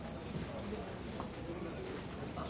あっ。